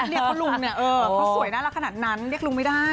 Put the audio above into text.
เนี่ยเพราะลุงเนี่ยเออเขาสวยน่ารักขนาดนั้นเรียกลุงไม่ได้